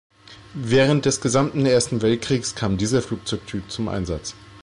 Während des gesamten Ersten Weltkriegs kam dieser Flugzeugtyp zum Einsatz.